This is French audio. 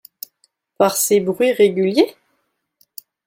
Par ses bruits réguliers ?